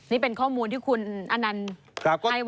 นี่เป็นข้อมูลที่คุณอนันต์ให้